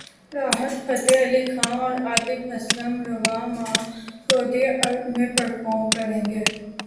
راحت فتح علی خان اور عاطف اسلم رواں ماہ سعودی عرب میں پرفارم کریں گے